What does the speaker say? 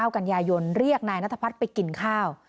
กันยายนเรียกนายนัทพัฒน์ไปกินข้าว